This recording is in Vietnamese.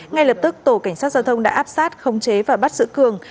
ngay lập tức tổ cảnh sát giao thông đã áp sát khống chế và bắt giữ cường